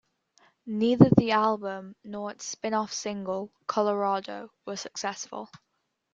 Neither the album nor its spin-off single "Colorado" were successful.